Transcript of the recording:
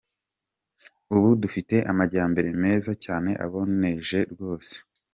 Ubu dufite amajyambere meza cyane aboneje rwose.